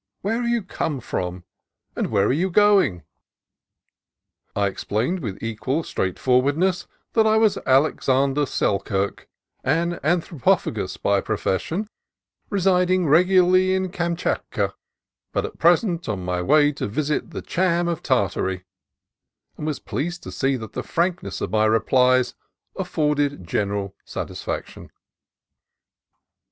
" "Where have you come from?" and "Where are you going?" I explained with equal straightfor wardness that I was Alexander Selkirk, an Anthro pophagus by profession, residing regularly in Kam chatka, but at present on my way to visit the Cham of Tartary; and was pleased to see that the frank ness of my replies afforded general satisfaction.